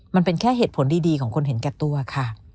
มันเป็นแค่เหตุผลดีของคนเห็นแก่ตัวค่ะ